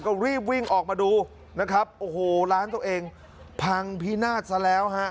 ก็รีบวิ่งออกมาดูนะครับโอ้โหร้านตัวเองพังพินาศซะแล้วฮะ